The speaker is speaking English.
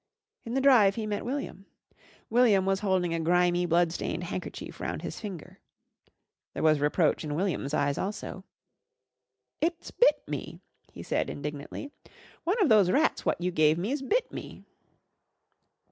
In the drive he met William. William was holding a grimy, blood stained handkerchief round his finger. There was reproach in William's eyes also. "It's bit me," he said indignantly. "One of those rats what you gave me's bit me."